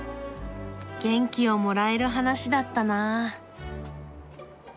元気をもらえる話だったな。